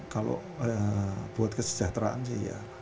kalau buat kesejahteraan sih ya